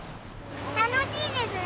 楽しいですね。